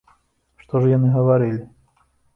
Што ж яны гаварылі?